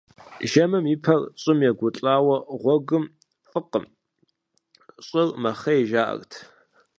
Жэмым и пэр щӀым егулӀауэ гъуэгым, фӀыкъым, щӀыр мэхъей, жаӀэрт.